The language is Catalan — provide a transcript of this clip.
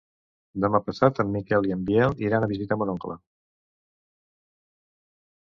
Demà passat en Miquel i en Biel iran a visitar mon oncle.